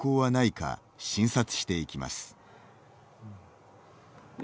診察していきます。